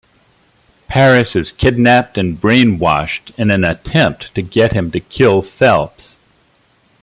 Paris is kidnapped and brainwashed in an attempt to get him to kill Phelps.